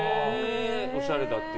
おしゃれだって。